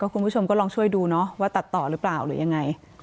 คุณผู้ชมก็ลองช่วยดูว่าตัดต่อหรือเปล่าจริง